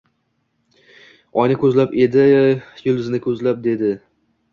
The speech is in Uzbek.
Oyni ko‘zlab edi, yulduzni ko‘zlab edi...